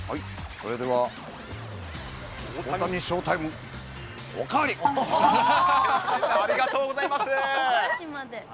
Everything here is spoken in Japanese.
それでは大谷ショータイムおありがとうございます。